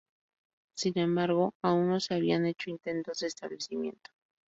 Sin embargo, aún no se habían hecho intentos de establecimiento.